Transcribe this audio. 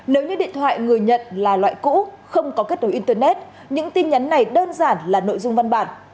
nếu như điện thoại người nhận là loại cũ không có kết nối internet những tin nhắn này đơn giản là nội dung văn bản